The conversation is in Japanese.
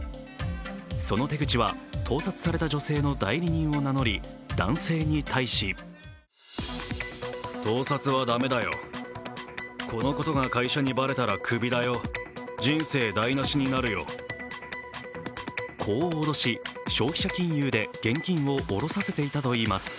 その手口は、盗撮された女性の代理人を名乗り、男性に対しこう脅し、消費者金融で現金をおろさせていたといいます。